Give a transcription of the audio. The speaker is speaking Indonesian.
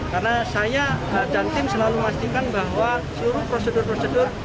karena saya dan tim selalu memastikan bahwa seluruh prosedur prosedur